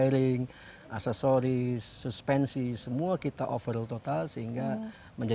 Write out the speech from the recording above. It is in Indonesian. dan apa yang kamu akan masak di dalamnya